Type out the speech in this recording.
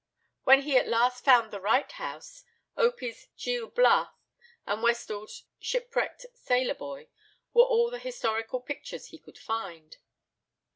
When he at last found the right house, Opie's Gil Blas and Westall's Shipwrecked Sailor Boy were all the historical pictures he could find.